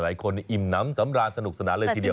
อิ่มน้ำสำราญสนุกสนานเลยทีเดียว